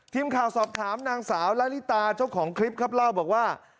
ทีมข่าวสอบถามนางสาวละลิตาเจ้าของคลิปครับเล่าบอกว่า